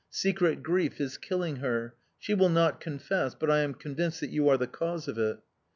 Secret grief is killing her; she will not confess, but I am convinced that you are the cause of it...